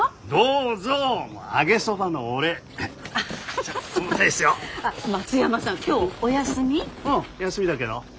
うん休みだけど。